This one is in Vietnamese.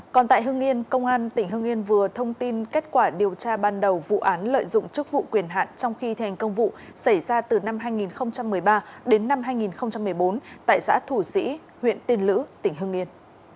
còn tại hương yên công an tỉnh hưng yên vừa thông tin kết quả điều tra ban đầu vụ án lợi dụng chức vụ quyền hạn trong khi thành công vụ xảy ra từ năm hai nghìn một mươi ba đến năm hai nghìn một mươi bốn tại xã thủ sĩ huyện tiên lữ tỉnh hương yên